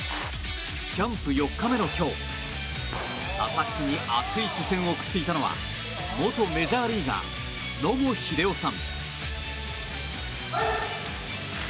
キャンプ４日目の今日佐々木に熱い視線を送っていたのは元メジャーリーガー野茂英雄さん。